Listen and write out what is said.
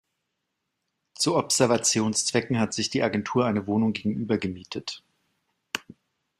Zu Observationszwecken hat sich die Agentur eine Wohnung gegenüber gemietet.